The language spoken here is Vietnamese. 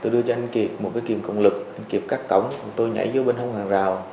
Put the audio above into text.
đừng cộng lực anh kiệt cắt cổng tôi nhảy vô bên hông hàng rào